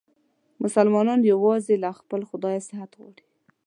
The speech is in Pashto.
مسلمانان یووازې له خپل خدایه صحت غواړي.